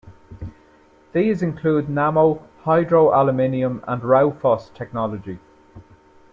These include Nammo, Hydro Aluminium and Raufoss Technology.